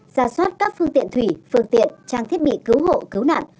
ra soát các phương tiện thủy phương tiện trang thiết bị cứu hộ cứu nạn